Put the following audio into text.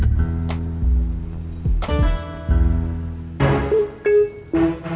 apa ada sesuatu yang miskin